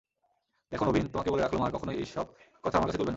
দেখো নবীন, তোমাকে বলে রাখলুম আর কখনোই এ-সব কথা আমার কাছে তুলবে না।